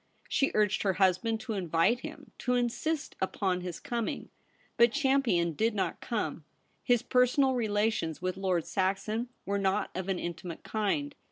She urged her husband to invite him — to insist upon his coming. But Cham pion did not come. His personal relations with Lord Saxon were not of an intimate kind.